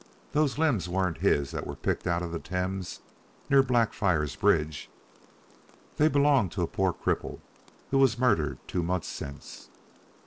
"Those limbs weren't his that were picked out of the Thames near Blackfriars Bridge?" "They belonged to a poor cripple who was murdered two months since."